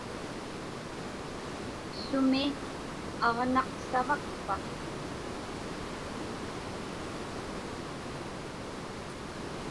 Sumi aġnaq savakpa?